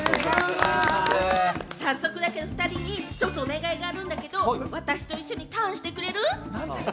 早速だけど２人に一つお願いがあるんだけど、私と一緒にターンしてくれる？